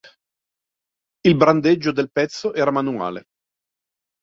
Il brandeggio del pezzo era manuale.